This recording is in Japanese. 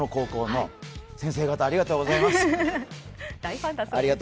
先生方、ありがとうございます。